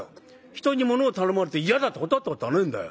人にものを頼まれて嫌だって断ったことはねえんだよ。